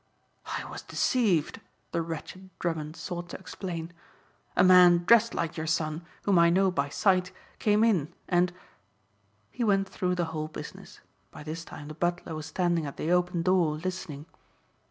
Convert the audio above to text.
"I was deceived," the wretched Drummond sought to explain. "A man dressed like your son whom I know by sight came in and " He went through the whole business. By this time the butler was standing at the open door listening.